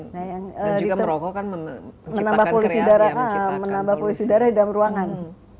dan juga merokok kan menambah polusi udara di dalam ruangan